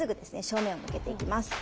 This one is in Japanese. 正面を向けていきます。